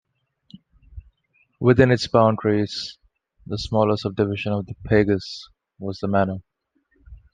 Within its boundaries, the smaller subdivision of the "pagus" was the manor.